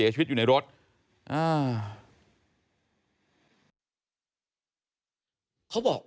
ทางนิติกรหมู่บ้านแจ้งกับสำนักงานเขตประเวท